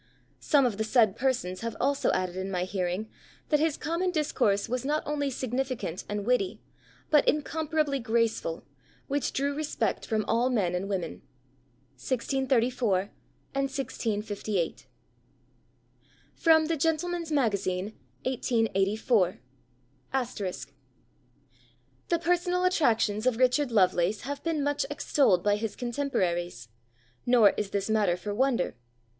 Some of the said persons have also added in my hearing, that his common discourse was not only significant and witty, but incomparably graceful, which drew respect from all men and women." 1634 and 1658. [Sidenote: The Gentleman's Magazine, 1884. *] "The personal attractions of Richard Lovelace have been much extolled by his contemporaries; nor is this matter for wonder.